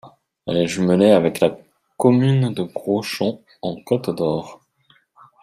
Elle est jumelée avec la commune de Brochon en Côte d'Or.